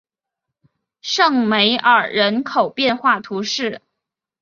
圣梅尔人口变化图示